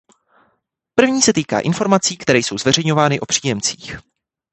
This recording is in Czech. První se týká informací, které jsou zveřejňovány o příjemcích.